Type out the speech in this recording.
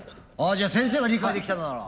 あじゃあ先生が理解できたなら。